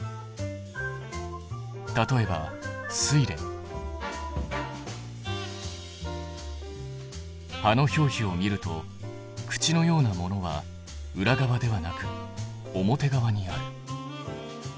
例えば葉の表皮を見ると口のようなものは裏側ではなく表側にある。